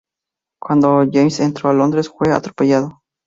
Cuando James entró en Londres, fue atropellado.